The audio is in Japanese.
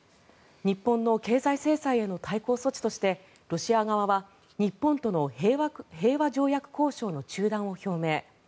日本の経済制裁への対抗措置としてロシア側は、日本との平和条約交渉の中断を表明。